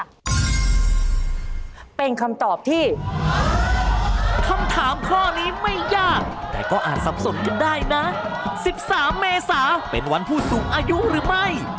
ได้นะ๑๓เมษาเป็นวันผู้สูงอายุหรือไม่